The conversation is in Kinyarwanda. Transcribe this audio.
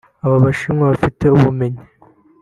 aba Bashinwa bafite ubumenyi